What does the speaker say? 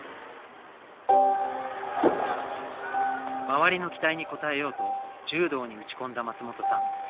周りの期待に応えようと柔道に打ち込んだ松本さん。